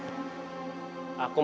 jadi harus ditetapkan